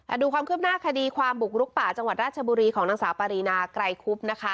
ดูความคืบหน้าคดีความบุกลุกป่าจังหวัดราชบุรีของนางสาวปารีนาไกรคุบนะคะ